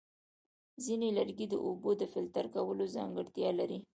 ځینې لرګي د اوبو د فلټر کولو ځانګړتیا لري.